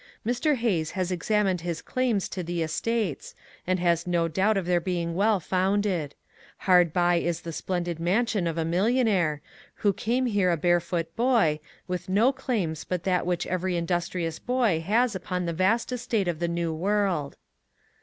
Mr. Hayes has examined lus claims to the estates, and has no doubt of their being well founded. Hard bv is the splendid mansion of a millionaire, who came here a barefoot boy, with no claims but that which every industrious boy has upon the vast estate of the New World.